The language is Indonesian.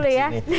oh soalnya disini